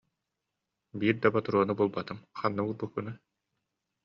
Биир да ботуруону булбатым, ханна уурбуккунуй